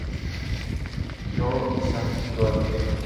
Your Sanctuary